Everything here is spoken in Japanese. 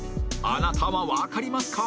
あなたはわかりますか？